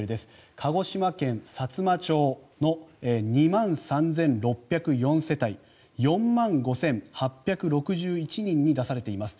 鹿児島県さつま町の２万３６０４世帯４万５８６１人に出されています。